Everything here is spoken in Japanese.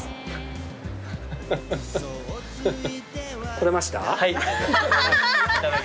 撮れました？